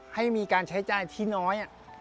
ให้มีการใช้จ่ายที่น้อย